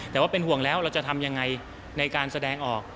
แต่ว่าเป็นห่วงแล้วเราจะทำยังไงในการแสดงออก